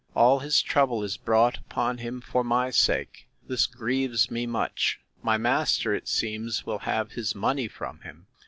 All his trouble is brought upon him for my sake: This grieves me much. My master, it seems, will have his money from him.